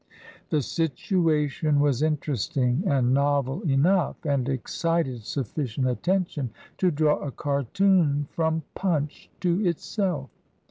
The situation was interesting and novel enough, and excited sufficient attention to draw a cartoon from •* Punch" to itself.